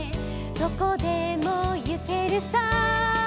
どこでもゆけるさ」